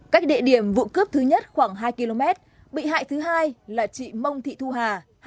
cách địa điểm vụ cướp thứ nhất khoảng hai km bị hại thứ hai là chị mông thị thu hà